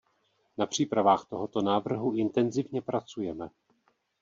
Na přípravách tohoto návrhu intenzivně pracujeme.